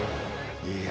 いや。